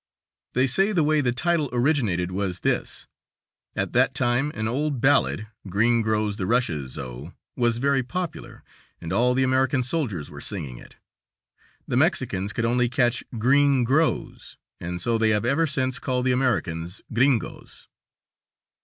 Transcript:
They say the way the title originated was this: at that time an old ballad, "Green grows the Rushes, O!" was very popular, and all the American soldiers were singing it. The Mexicans could only catch "green grows" and so they have ever since called the Americans "gringos."